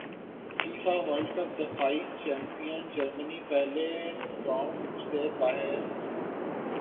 FIFA World Cup دفاعی champion Germany پہلے round سے ہی باہر